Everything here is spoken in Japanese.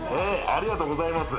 ありがとうございます。